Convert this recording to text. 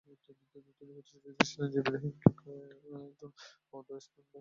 তিনি প্রতিশ্রুতি দিয়েছিলেন যে, ইবরাহীমের একজন অধঃস্তন বংশধর আপনার উত্তরাধিকারী হবেন।